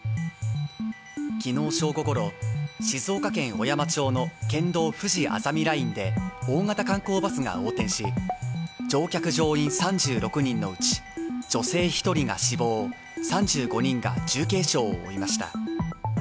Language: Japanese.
昨日正午ごろ、静岡県小山町の県道ふじあざみラインで大型観光バスが横転し、乗客・乗員３６人のうち女性１人が死亡３５人が重軽傷を負いました。